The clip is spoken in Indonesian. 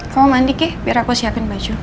kamu mandi ke biar aku siapin baju